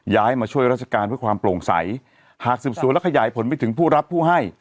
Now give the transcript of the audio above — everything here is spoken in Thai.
ย้ายมาช่วยราชการเพื่อความโปร่งใสหากสืบสวนและขยายผลไปถึงผู้รับผู้ให้